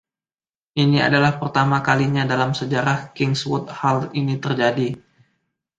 Ini adalah pertama kalinya dalam sejarah Kingswood hal ini terjadi.